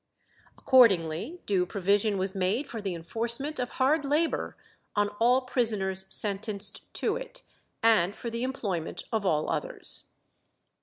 Accordingly due provision was made for the enforcement of hard labour on all prisoners sentenced to it, and for the employment of all others.